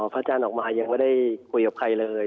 พระอาจารย์ออกมายังไม่ได้คุยกับใครเลย